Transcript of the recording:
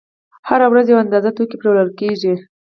هره ورځ یوه اندازه توکي پلورل کېږي